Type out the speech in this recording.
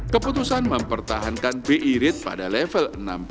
keputusan mempertahankan bi rate pada level enam